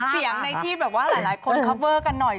เสียงในที่แบบว่าหลายคนคอฟเวอร์กันหน่อย